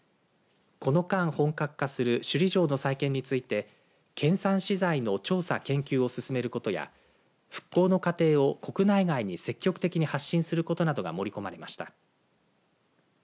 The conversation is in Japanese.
この間、本格化する首里城の再建について県産資材の調査、研究を進めることや復興の過程を国内外に積極的に発信することなどが盛り込まれました。